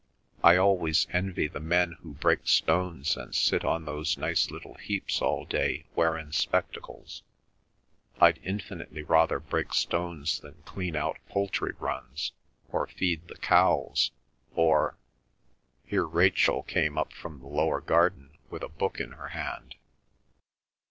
I always envy the men who break stones and sit on those nice little heaps all day wearin' spectacles. I'd infinitely rather break stones than clean out poultry runs, or feed the cows, or—" Here Rachel came up from the lower garden with a book in her hand.